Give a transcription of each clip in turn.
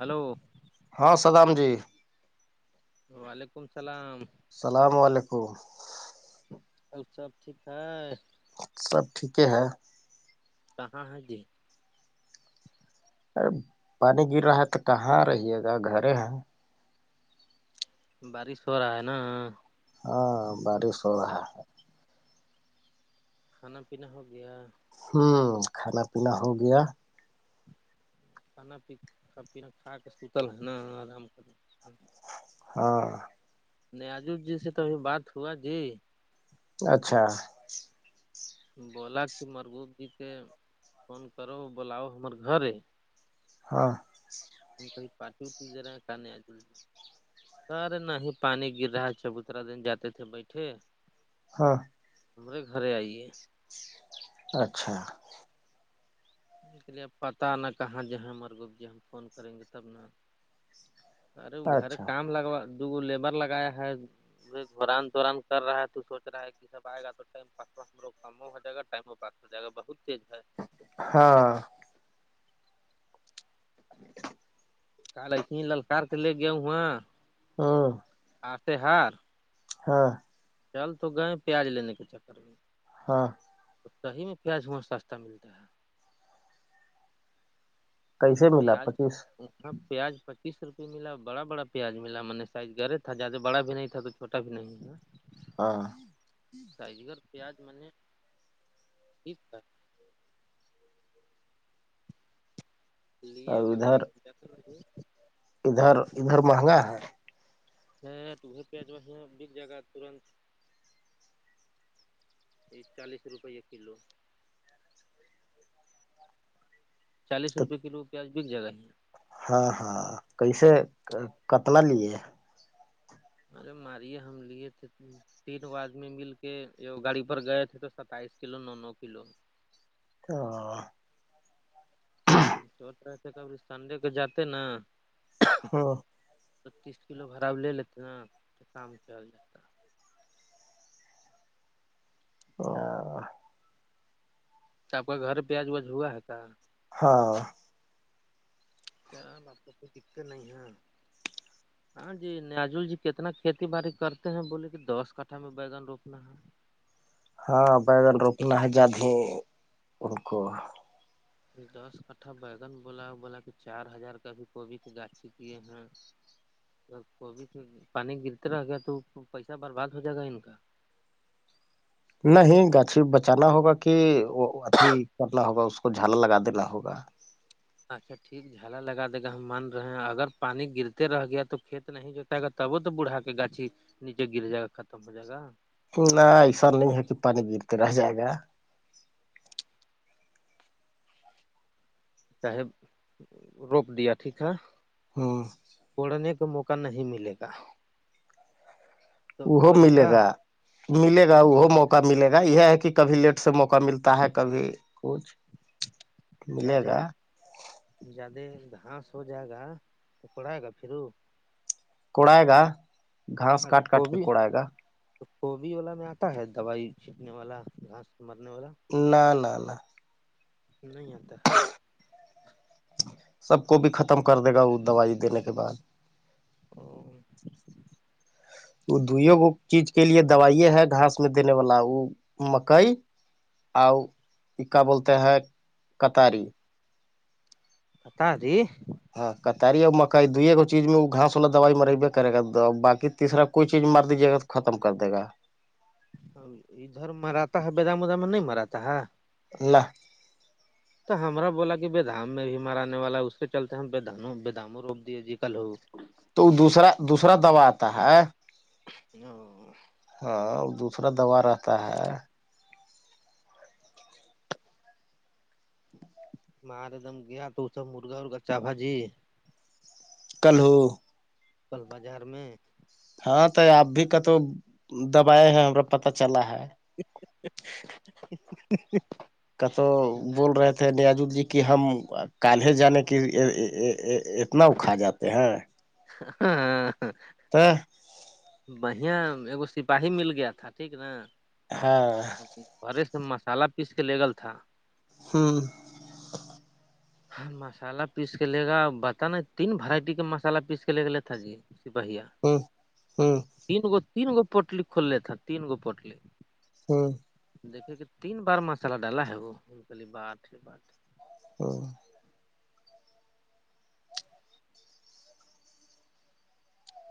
hello ہاں سدام جی وعلیکم السلام السلام علیکم اور سب ٹھیک ہے سب ٹھیک ہے کہاں ہے جی ارے پانی گر رہا ہے تو کہاں رہیے گا گھر ہیں بارش ہو رہا ہے نا ہاں بارش ہو رہا ہے کھانا پیننا ہو گیا ہوں کھانا پینا ہو گیا کھانا پیا پینا کھا کے سوتل ہے نا آرام کرو [inaudible] ہوں [unintelligible] ن آجو جی سے تو ابھی بات ہوا جی اچھا بولا کہ مرگوب جی کے فون کرو بولاؤ ہمار گھر ہاں ت کیں پٹ ہوتی جرا ک نہیں آجل [inaudible] سر نہیں پانی گر رہا ہے چبوترا دن جاتے تھے بیٹھے ہاں ہمرے گھر آئیے اچھا اس کے لیےب پتا نہ کہاں ج ہیں مرگپ جی ہم فون کریں گے تب ن ارے گھر اچھا کام لگا دوگو لیبر لگایا ہے گوران تووران کر رہا ہے تو سوچ رہا ہے کہ سب آئے گا تو ٹم پاس لوگ کم ہو ج گا ٹائمو پا ہو جائے گا بہت تیج ہے ہاں [inaudible] کال ا للکار کے لے گیاؤ ہا ہاں آشہار [unintelligible] ہاں چل تو گئے پیاز لینے کے چکر میں ہاں تو صحی میں پیاز وہاں سستا ملتا ہے کیسے ملا پچیس وہاں پیاز پچیس روپئے ملا بڑا بڑا پیاز ملا میں نے سائز گرے تھا زیادہ بڑا بھی نہیں تھا تو گوٹا بھینا ہوا [inaudible] ہاں سائز گ پیاز میں نے یک تھا [inaudible] لیے اور وہی ادھر ج مجے ادھر ادھر مہنگا ہے ہے توھر پہچ وہ بک جائے گا ترنت چالیس روپے کلو چالیس تو روپے کلو پیاز بک جگہ ہے ہاں ہاں کیسے کتنا لیے جب مارے ہم لیے تھے تین آدمی مل کے گاڑی پر گئے تھے تو ستائیس کلو نو نو کلو تو چوٹ رہتے کبھی سنڈے کو جاتے نا ہاں تیس کلو باڑا لے لیتے تو کام چل جتاا [unintelligible] تو آپ کا گھر پیاج وج ہوا ہے کیا ہاں کیا ل تو کوئی دقت نہیں ہے ہاں جی نجول جی کتنا کھیتی باڑی کرتے ہیں بولے کہ دس کٹھا میں بیگن روپنا ہے ہاں بیگن روکنا ہے جیاد ہی ان کو دس کٹھا بیگن بولا بولا کہ چار ہزار کابھی کوبھی کے گاچھی کیے ہیں کوب پانی گرتا رہ گیا تو پیسہ برباد ہو جائے گا ان کا نہیں گاچھی بچانا ہوگا کہ اھی کرنا ہوگا اس کو جھالا لگا دینا ہوگا اچھا ٹھیک ہے جھالا لگا دے گا ہم مان رہے ہیں اگر پانی گرتے رہ گیا تو کھیت نہیں جوتا ہے گا تب وہ تو بوڑھا کے گاچھی نیچے گر جائے گا ختم ہو جائے گا نہ ایسا نہیں ہے کہ پانی گرتے رہ جائے گا چاہے روپ دیا ٹھیک ہے ہاں پڑھنے کا موقع نہیں ملے گا تو وہ ہو جائے ملے گا ملے ہ گا وہ موقع موقع ملے گا یہ ہے کہ کبھی لیٹ سے موقع ملتا ہے کبھی کچھ ملے زیادہ گا زیادہ گھاس ہو جائے گا توکڑائے گا پھرو کونائے گا گھاس اچھا کاٹ کاٹ کے گبھی کوڑائے گا تو کوبھی والا میں آتا ہے دوائی چھینکنے والا گھاس مرنے والا نہ نہ نہ نہیں آتا سب کو بھی ختم کر دے گا وہ دوائی دینے کے بعد او وہ دوئی گ چیز کے لیے دوائیے ہے گھاس میں دینے والا وہ مکئی آؤ ا کا بولتے ہیں کطاری بتاادی ہاں کتاری اور مکئی دو گو چیز میں گاس والا دوائی م میںر کرے گا تو بایسرا کوئی چیز مر دیجیے گا تو ختم کر دے گا ادھر مراتا ہے بیدام ادام میں نہیں مراتا ہے اللہ تو ہمارا بولا کہ بے دام میں بھی مراننے والا اس کے چلتے ہم ب داموں روپ دیے ج کل ہو تو وہ دوسرا دوسرا دوبا آتا ہے ا ہاں دوسرا دوا رہتا ہے ماںار ایک دم گیا تو سب مرغا ارغا چا باجی کل ہوو سل بازار میں ہاں تو آپ بھی کت دبائے ہیں ہمار پتا چلا ہے کت بول رہے تھ نیازل جی کہ ہم کالے جانے کی اتنا اکھا جاتے ہیں ہاں تو بڑھیا ایکگو سپاہی مل گیا تھا ٹھیک نا ہاں بے سے مسالہ پیس کے لےگل تھا ہوں ہاں مسالہ پیس کے لے گا بت نا تین ورائٹی کا مسالہ پیس کے لے کے لی تھا جی سپاہیا ہاں ہوں تین گ تین گو پوٹلی کھول لی تھا تین گو پوٹلی ہاں دیکے کہ تین بار مسالہ ڈالا ہے وہ باٹ بٹ ہوں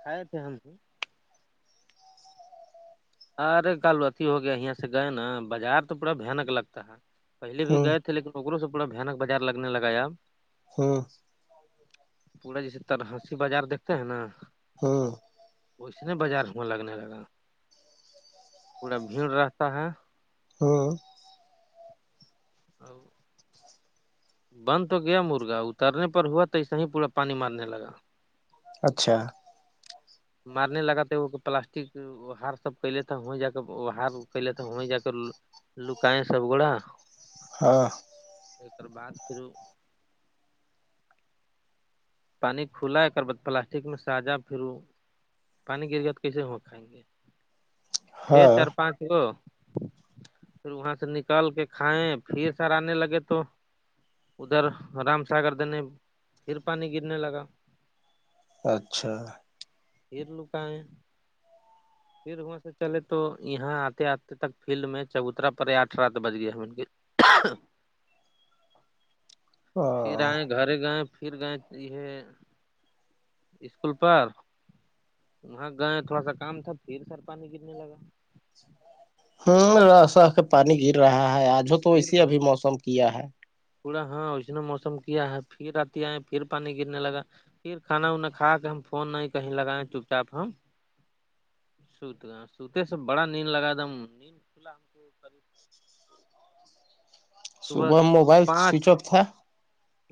کھائے تھے ہم کو ارے کل اتی ہو گیا یہاں سے گئے نا بازار تو پورا بھیانک لگتا ہے پہلے بھی ہ گئے تھے لیکن اکوں سے پورا بھیانک بازار لگنے لگا آب ہاں پورا جیسے ترنسی بازار دیکھتے ہیں نا ہاں ویسنے بازار ہواں لگنے لگا پوڑا بھیڑ رہتا ہے ہاں ہ بند تو گیا مرغا اترنے پر ہوا تو اسسا ہی پورا پانی مارنے لگا اچھا مارنے لگا تو وہ پلاسٹک ا ہار سب کیلے تھ وہیں جااک اار کیلے تھ ہویں جااک لکائے سب گوڑا ہاں اور بعد پھر پانی کھلا کر بد پلاسٹک میں ساجا پھرو پانی گر تو کیسے ہو کھائیں گے تھے ہاں چار پانچ وہ پھر وہاں سے نکال کے کھائے پھر سر آنے لگے تو ادھر رام ساگر دینے پھر پانی گرنے لگا اچھا لو کا ہے پھر وہاں سے چلے تو یہاں آتے آتے تک فیلڈ میں چبوترا پے آٹھ رات بج گئے ہم ان کے پھر ہوں آئے گھر گئے پھر گئے ہے اسکول پر وہاں گا تھوڑا سا کام تھا پھر سر پانی گرنے لگا ہوں ر س کے پانی گر رہا ہے آجوں تو اسی ابھی موسم کیا ہے تھوڑا ہاں اس نے موسم کیا ہے پھر رتی آئے پھر پانی گرنے لگا پھر کانا وانا کھا کے ہم فون نہیں کہیں لگائےیں چپ چاپ ہم سوتے سے بڑا نیند لگا دم نیند کلاح ہم کو صبح موبائل پانچ سوئچ آف تھا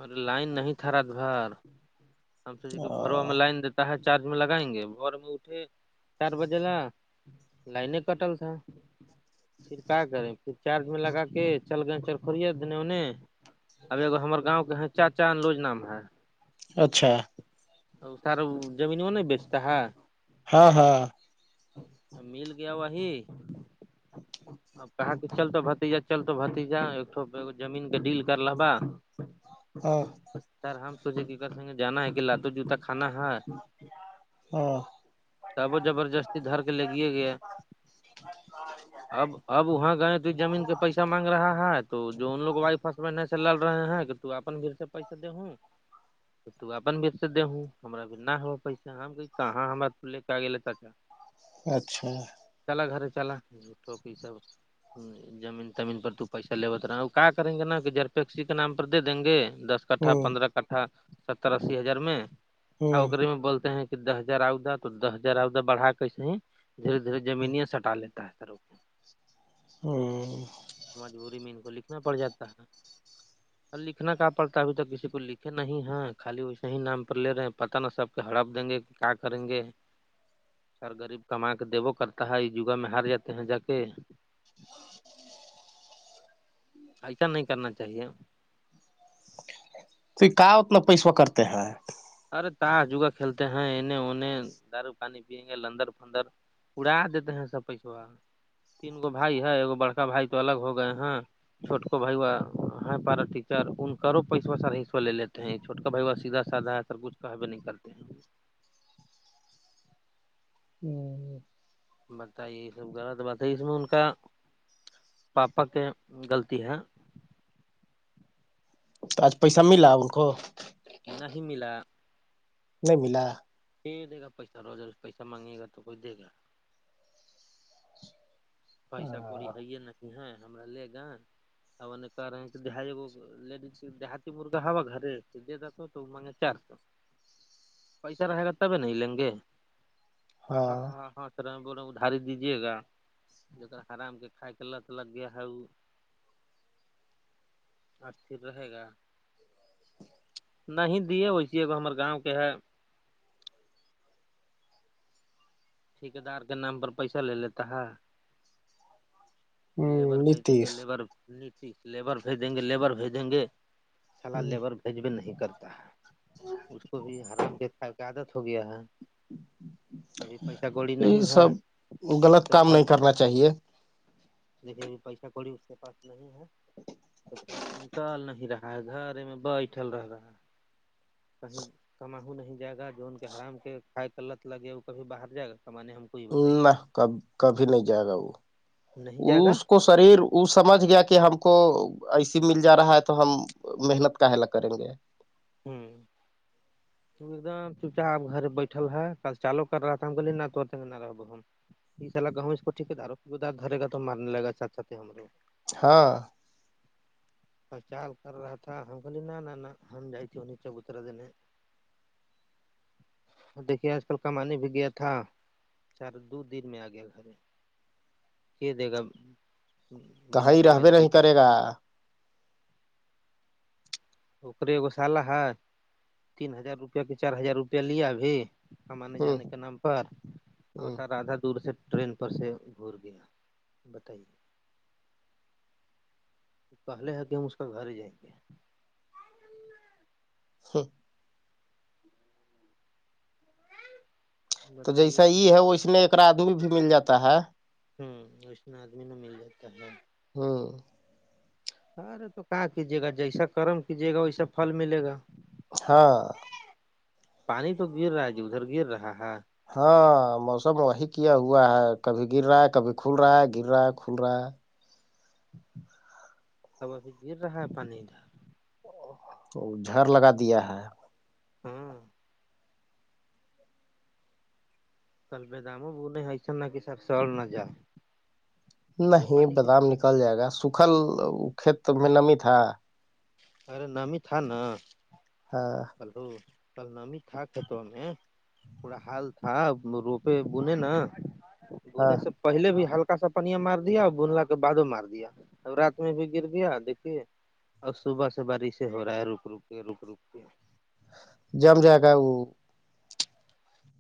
ارے لائن نہیں تھا راات بار ہم سو کہ بھرو میں لائن دیتے چارج میں لگائیں گے بور میں اٹھے چار بجے لاا لائنے کٹل تھا پھر کیا کریں پھر چارج میں لگا کے چل گئے چل تھڑی دنونے ابگ ہمار گاؤں کے چاچا ان لوج نام ہے اچھا سارا زمین وہ نہیں بیچتا ہے ہاں ہاں مل گیا وہی اب کہا کہ چل تو بھتیجا چل تو بھتیجا زمین کا ڈیل کر لبا ہاں سر ہم سوچے کہ سنگے جانا ہے کہ لادو جوتا کھانا ہے ہاں سب و زبردستی دھر کے لگیے گیا اب اب وہاں گنی تئی زمین کے پیسہ مانگ رہا ہے تو جو ان لوگ وائ فس ای سے لڑ رہے ہیں کہ تو اپن بھیھر سے پیسے دے ہوں تو تو اپن بھیجتے دے ہوں ہما بھینا ہوا پیسا ہم کہاں ہم لے کے آ گے تا اچھا چلا گھر چلاٹھوک سب جمین تمین پر تو پیس چلے بت رہا وہ کیا کریں گے نا کہ جرپیکسی کے نام پر دے دیں گے دس کٹھا ہوں پندرہ کٹھا ستر اسی ہزار میں آ ہوں اکری میں بولتے ہیں دس ہزار عودہ تو دس ہزار عودہ بڑھا کے اسے دھیرے دھیرے زمینیاں سٹا لیتا ہے سر ہوں مجبوری میں ان کو لکھنا پڑ جاتا ہے ن سر لکھنا کہاں پڑتا ہے ابھی تک کسی کو لکھے نہیں ہے خالی ویسے ہی نام پر لے رہے ہیں پتا نا سب پہ ہڑپ دیں گے کہ کیا کریں گے سر غریب کما کے دیبو کرتا ہے اس جگا میں ہار جاتے ہیں جا کے ایسا نہیں کرنا چاہیے تو کہ اتنا پیسو کرتے ہیں ارے تا جگا کھیلتے ہیں ایں انے دارو پانی پییں گے لندر پندر پڑا دیتے ہیں سب پیسوا تین گو بھائی ہے ایک بڑکا بھائی تو الگ ہو گئے ہیں چھوٹک بھائیو ہے پارا ٹیچر انکوں پیسو ساراسو لے لیتے ہیں چھوٹکا بھائیوا سیدھا سادا ہے سر کچھ کہوے نہیں کرتے ہیں ہوں بتائی یہ سب غلط بات ہے اس میں ان کا پاپا کے غلطی ہے تو آج پیسہ ملا ان کو نہیں ملا نہیں ملا یہٹھ دے گا پیسہ روز ا پیسہ مانگے گا تو کوچ دے گا پیسا کوڑی ہے نہیں ہے ہم لے گا آن کہ رہے ہیں کہ دائیگ لیڈی دیہات مرغا ہ ہوا گھر تو دی جاتا تو مے چار سو ہاں ہ [unintelligible] ج آرام کے کائے کے لت لگ گیا ہے استر رہے گا نہیں دیے ویسیے ہمار گاؤں کے ہے ٹھیکے دار کے نام پر پیسہ لے لیتا ہے لیبر بھیجیں گے نتیش لیبر نیتیش لیبر بھیجیں گے لیبر بھیجیں گے چلا لیبر بھیج بھی نہیں کرتا ہے اس کو بھی حرام کے عادت ہو گیا ہے ابھی پیسہ کوڑی یہ نہیں ہے سب غلط تو کام نہیں کرنا چاہیے لیکن پیسہ کوڑی اس کے پاس نہیں ہے تو گھر سے نکال نہیں رہا ہاں گھر میں بھل رہا کہ کماوں نہیں جائے گا جو ان کے حرام کے کھائے کلت لگے وہ کبھی باہر جائے گا کمانے ہم کو ہی بتائیے نہ کب کبھی نہیں جائے گا نہیں وہ جائے گا اس کو شریر وہ سمجھ گیا کہ ہم کو ایسے مل جا رہا ہے تو ہم محنت کا حلا کریں گے ہوں ایک دم چوچا آپ گھر بیٹھل ہے کل چالو کر رہا تھا ہم گلے نہ توڑتے نہ رہ ہم ایسا لگا ہوں اس کوٹھیکے دار ادار گھرے گ توارنے لگا چچاتے ہم لگ ہاں پچال کر رہا تھا ہم کہے نہ ن ہم جائی تھےیں چبوترا دینے دیکھیے آج کل کمانیے بھی گیا تھا چار دو دن میں آ گیا گھر کہ دے گا بنا کہیں کمائل رہبے نہیں پیسہ کرے گا اکے ایگو سالہ ہے تین ہزار روپیہ کی چار ہزار روپیہ لیا ابھی ہمے ہ جانے کے نام پر اور ہ سا رھا دور سے ٹرین پر سے گور گیا بتائیے تو کہ لے ہے کہ ہم اس کا گھر ہی جائیں گے ہاں گے تو بتائیے جیسا تو یہ ہے ویسنے ایکر آدمی بھی مل جاتا ہے ہوں اس میں آدمی ن مل جاتا ہے ہاں ارے تو کہاں کیجیے گا جیسا کرم کیجیے گا ویسا پھل ملے گا ہاں پانی تو گر رہا ہے جی ادھر گر رہا ہے ہاں موسم وہی کیا ہوا ہے کبھی گر رہا ہے کبھی کھل رہا ہے گر رہا ہے کھل رہا ہے سب ابھی گر رہا ہے پانی ادھر جھڑ لگا دیا ہے ہاں کلبے دامو بولے حسن نہ کہ سبسڑ نہ جا نہیں بادام نکل جائے گا سکھل کھیت میں نمی تھا ارے نامی تھا نا ہاں کل نام تھااک ہے تویں پوڑا حال تھا روپے بنے نا ہاں بنے سے پہلے بھی ہلکا پنیا مار دیا اور بنلا کے بد مار دیا رات میں بھی گر دیا دیکھیے اب صبح سے بارشیں ہو رہا ہے رک رک کے رک رک کے جم جااک وہ